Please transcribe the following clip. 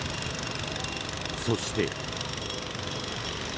そして。